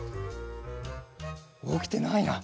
おきてないな。